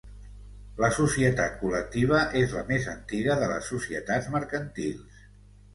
La societat col·lectiva és la més antiga de les societats mercantils.